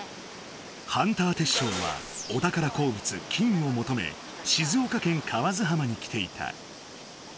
ハンターテッショウはお宝鉱物金をもとめ静岡県河津浜に来ていた。